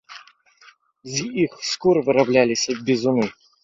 З іх скур вырабляліся бізуны.